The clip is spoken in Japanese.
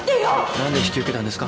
何で引き受けたんですか？